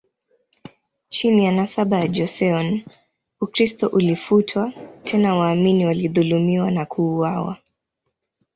Chini ya nasaba ya Joseon, Ukristo ulifutwa, tena waamini walidhulumiwa na kuuawa.